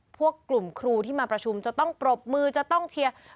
พวกกลุ่มครูที่มาประชุมจะต้องปรบมือจะต้องเชียร์